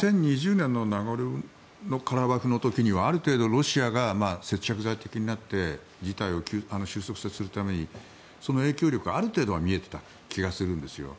２０２０年のナゴルノカラバフの時にはある程度、ロシアが接着剤的になって事態を収束させるためにその影響力が、ある程度は見えていた気がするんですよ。